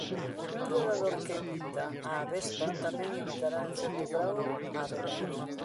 Un predador que evita a avespa tamén evitará en certo grao a avelaíña.